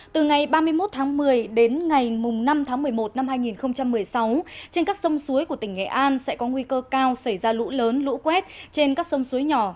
từ ngày ba mươi một tháng một mươi đến ngày năm tháng một mươi một năm hai nghìn một mươi sáu trên các sông suối của tỉnh nghệ an sẽ có nguy cơ cao xảy ra lũ lớn lũ quét trên các sông suối nhỏ